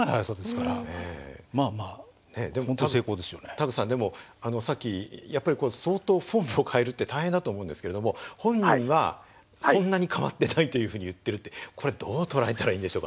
田口さんでもさっきやっぱり相当フォームを変えるって大変だと思うんですけれども本人はそんなに変わってないというふうに言ってるってこれどう捉えたらいいんでしょうかね。